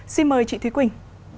xin mời chị thúy quỳnh